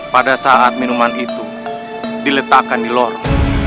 pada saat minuman itu diletakkan di lorong